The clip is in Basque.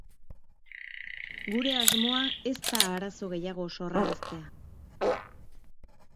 Gure asmoa ez da arazo gehiago sorraraztea.